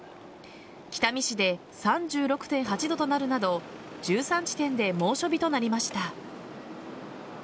北見市で３６．８度となるなど１３地点で猛暑日となりました。